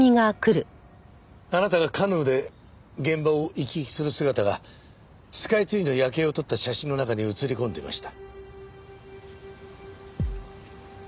あなたがカヌーで現場を行き来する姿がスカイツリーの夜景を撮った写真の中に写り込んでいました。